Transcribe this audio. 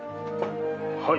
はい。